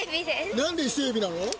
なんで伊勢エビなの？